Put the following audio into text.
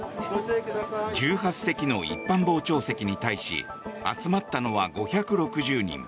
１８席の一般傍聴席に対し集まったのは５６０人。